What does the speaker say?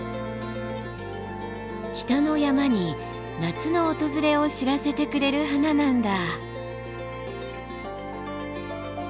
北の山に夏の訪れを知らせてくれる花なんだ。